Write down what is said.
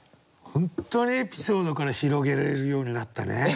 本当にエピソードから広げられるようになったね。